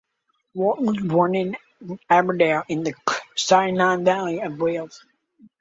Walton was born in Aberdare, in the Cynon Valley of Wales.